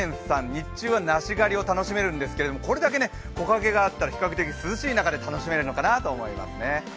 日中は梨狩りが楽しめるんですけどこれだけ木陰があったら比較的涼しい中で楽しめるのかなと思いますね。